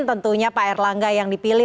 tentunya pak erlangga yang dipilih